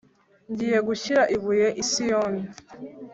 ngiye gushyira ibuye iSiyoni